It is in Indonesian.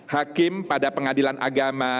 hakim pada pengadilan agama